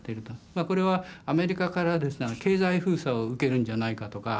これはアメリカから経済封鎖を受けるんじゃないかとか。